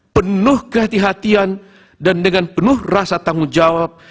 penuh kehatian dan dengan penuh rasa tanggung jawab